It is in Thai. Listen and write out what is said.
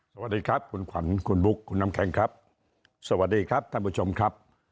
สวัสดีครับคุณขวัญคุณบุ๊คคุณน้ำแข็งครับสวัสดีครับท่านผู้ชมครับ